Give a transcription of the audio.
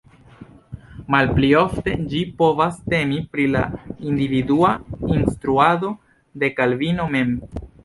Malpli ofte, ĝi povas temi pri la individua instruado de Kalvino mem.